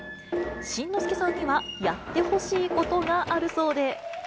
新之助さんには、やってほしいことがあるそうで。